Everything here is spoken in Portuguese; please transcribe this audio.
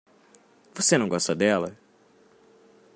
Você não gosta dela?